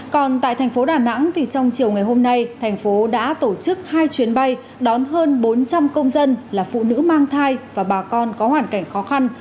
còn tại thành phố đà nẵng thì trong chiều ngày hôm nay thành phố đã tổ chức hai chuyến bay đón hơn bốn trăm linh công dân là phụ nữ mang thai và bà con có hoàn cảnh khó khăn